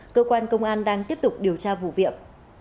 cơ quan công an đang tiếp tục điều tra vụ việc